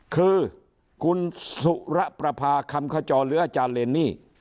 คือคุณสุระประพาคำขจรหรืออาจารย์เรนนี่